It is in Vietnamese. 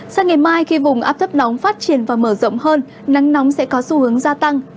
sáng ngày mai khi vùng áp thấp nóng phát triển và mở rộng hơn nắng nóng sẽ có xu hướng gia tăng